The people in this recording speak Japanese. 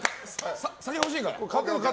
酒欲しいから。